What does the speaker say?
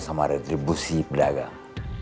sama retribusi pedagang